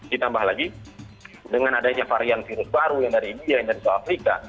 ditambah lagi dengan adanya varian virus baru yang dari india yang dari soal afrika